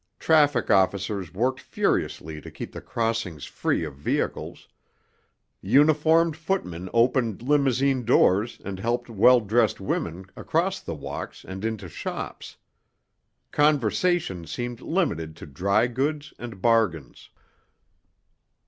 Traffic officers worked furiously to keep the crossings free of vehicles; uniformed footmen opened limousine doors and helped well dressed women across the walks and into shops. Conversations seemed limited to dry goods and bargains.